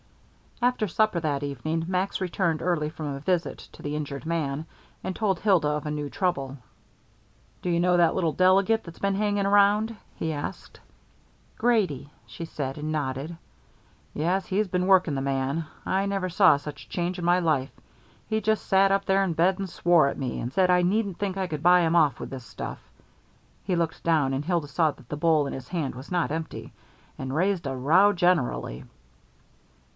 After supper that evening Max returned early from a visit to the injured man, and told Hilda of a new trouble. "Do you know that little delegate that's been hanging around?" he asked. "Grady," she said, and nodded. "Yes, he's been working the man. I never saw such a change in my life. He just sat up there in bed and swore at me, and said I needn't think I could buy him off with this stuff" he looked down and Hilda saw that the bowl in his hand was not empty "and raised a row generally."